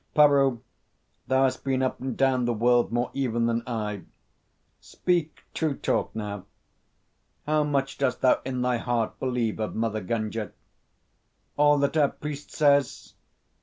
"Peroo, thou hast been up and down the world more even than I. Speak true talk, now. How much dost thou in thy heart believe of Mother Gunga?" "All that our priest says.